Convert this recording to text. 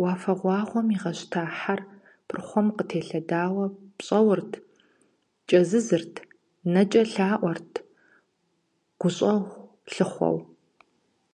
Уафэгъуаугъуэм игъэщта хьэр, пырхъуэм къытелъэдауэ пщӏоурт, кӏэзызырт, нэкӏэ лъаӏуэрт гущӏэгъу лъыхъуэу.